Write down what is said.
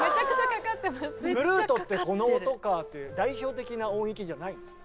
「フルートってこの音か」という代表的な音域じゃないんです。